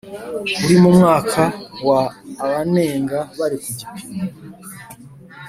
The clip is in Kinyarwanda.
kuri mu mwaka wa Abanenga bari ku gipimo